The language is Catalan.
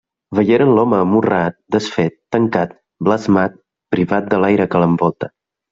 Veieren l'home anorreat, desfet, tancat, blasmat, privat de l'aire l'envolta.